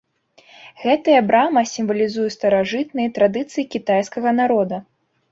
Гэтая брама сімвалізуе старажытныя традыцыі кітайскага народа.